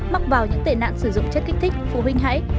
mắc vào những tệ nạn sử dụng chất kích thích phù huynh hãi